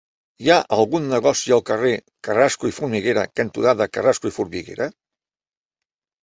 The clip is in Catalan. Hi ha algun negoci al carrer Carrasco i Formiguera cantonada Carrasco i Formiguera?